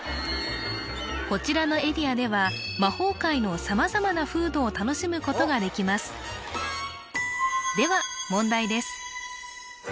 こちらのエリアでは魔法界の様々なフードを楽しむことができますでは問題です